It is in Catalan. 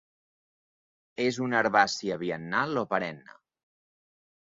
És una herbàcia biennal o perenne.